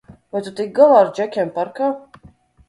Vai tu tiki galā ar džekiem parkā?